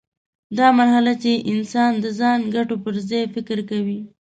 دا مرحله چې انسان د ځان ګټو پر ځای فکر کوي.